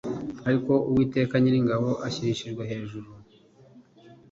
Ariko Uwiteka Nyiringabo ashyirishijwe hejuru